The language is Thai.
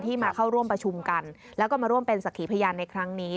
มาเข้าร่วมประชุมกันแล้วก็มาร่วมเป็นสักขีพยานในครั้งนี้